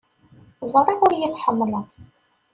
Ẓriɣ ur iyi-tḥemmleḍ.